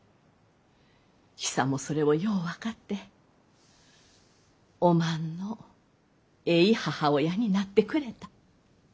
ヒサもそれをよう分かっておまんのえい母親になってくれた。